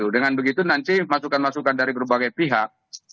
dengan begitu nanti masukan masukan dari berbagai pihak